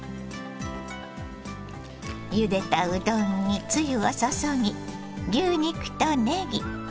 ゆでたうどんにつゆを注ぎ牛肉とねぎ。